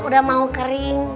udah mau kering